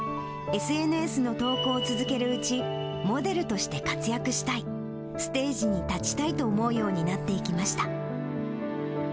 ＳＮＳの投稿を続けるうち、モデルとして活躍したい、ステージに立ちたいと思うようになっていきました。